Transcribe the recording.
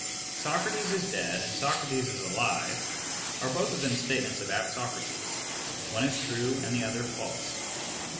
"Socrates is dead" and "Socrates is alive" are both of them statements about Socrates. One is true and the other false.